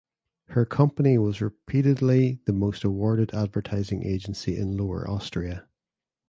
Her company was repeatedly the most awarded advertising agency in Lower Austria.